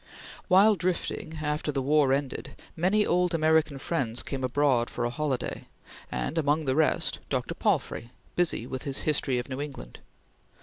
While drifting, after the war ended, many old American friends came abroad for a holiday, and among the rest, Dr. Palfrey, busy with his "History of New England."